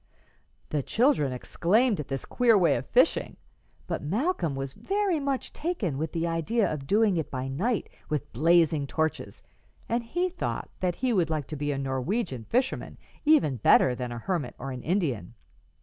'" The children exclaimed at this queer way of fishing, but Malcolm was very much taken with the idea of doing it by night with blazing torches, and he thought that he would like to be a Norwegian fisherman even better than a hermit or an Indian.